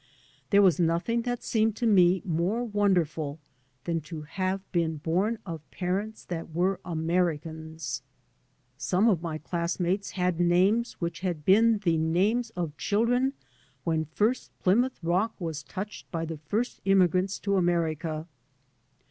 There was nothing that seemed to me more wonderful than to have been born of parents that were Americans. Some of my classmates had names which had been the names of children when first Plymouth Rock was touched by the first immigrants to America.